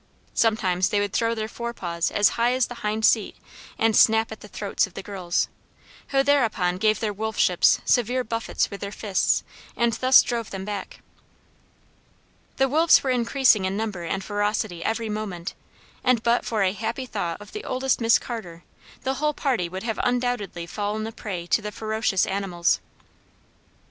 Sometimes they would throw their forepaws as high as the hind seat, and snap at the throats of the girls, who thereupon gave their wolfships severe buffets with their fists and thus drove them back. The wolves were increasing in number and ferocity every moment, and but for a happy thought of the oldest Miss Carter, the whole party would have undoubtedly fallen a prey to the ferocious animals.